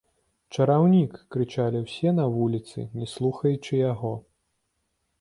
Чараўнік!—крычалі ўсе на вуліцы, не слухаючы яго.